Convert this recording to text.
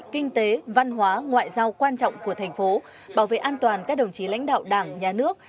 kinh tế văn hóa ngoại giao quan trọng của thành phố bảo vệ an toàn các đồng chí lãnh đạo đảng nhà nước